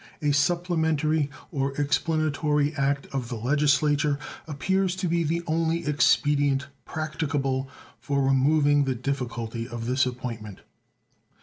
A supplementary or explanatory act of the Legislature appears to be the only expedient practicable for removing the difficulty of this appointment.